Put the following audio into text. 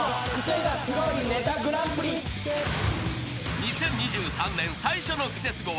［２０２３年最初の『クセスゴ』は］